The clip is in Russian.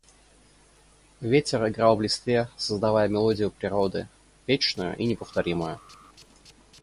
Ветер играл в листве, создавая мелодию природы, вечную и неповторимую.